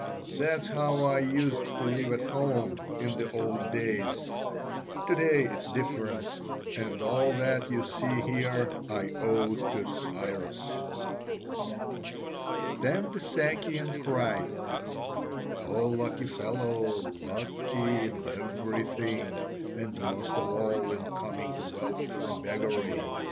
That's how I used to live at home, in the old days: to day it's different, and all that you see here I owe to Cyrus." Then the Sakian cried: "O lucky fellow! Lucky in everything, and most of all in coming to wealth from beggary!